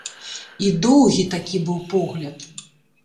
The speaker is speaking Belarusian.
І доўгі такі быў погляд.